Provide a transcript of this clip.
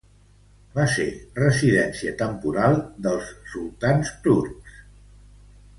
Va ser residència temporal dels sultans turcs.